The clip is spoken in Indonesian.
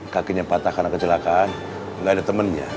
kakinya patah karena kecelakaan nggak ada temannya